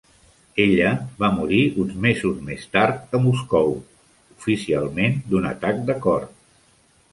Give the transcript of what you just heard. Ella va morir uns mesos més tard a Moscou, oficialment d'un atac de cor.